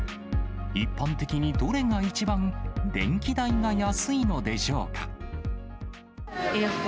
一般的にどれが一番電気代が安いのでしょうか。